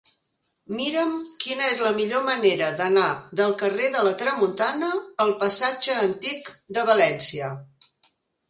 Mira'm quina és la millor manera d'anar del carrer de la Tramuntana al passatge Antic de València.